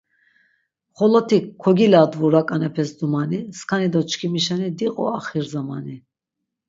Xoloti kogiladvu rak̆anepes dumani, skani do çkimi şeni diqu axir zamani.